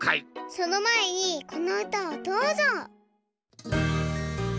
そのまえにこのうたをどうぞ！